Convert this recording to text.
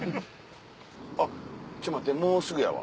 あっちょっと待ってもうすぐやわ。